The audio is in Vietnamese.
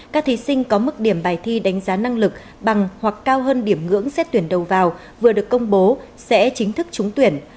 các thí sinh có mức điểm bài thi đánh giá năng lực bằng hoặc cao hơn điểm ngưỡng xét tuyển đầu vào vừa được công bố sẽ chính thức trúng tuyển